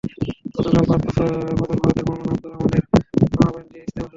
গতকাল বাদ ফজর ভারতের মাওলানা আবদুর রহমানের আমবয়ান দিয়ে ইজতেমা শুরু হয়।